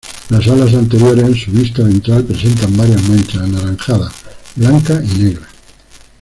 Las alas anteriores en su vista ventral presentan varias manchas anaranjadas, blancas y negras.